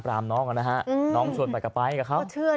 พี่น้องไปอีก